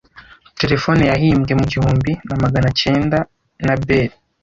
Terefone yahimbwe mu gihumbi namagana cyenda na Bell.